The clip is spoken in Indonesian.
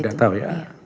tidak tahu ya